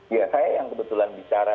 ya saya yang kebetulan bicara